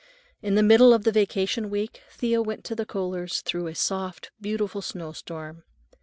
In the middle of the vacation week Thea went to the Kohlers' through a soft, beautiful snowstorm.